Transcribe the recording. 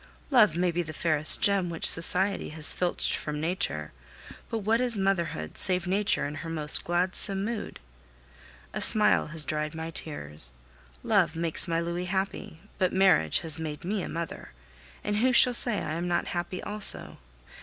Love may be the fairest gem which Society has filched from Nature; but what is motherhood save Nature in her most gladsome mood? A smile has dried my tears. Love makes my Louis happy, but marriage has made me a mother, and who shall say I am not happy also?